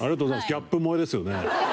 ギャップ萌えですよね？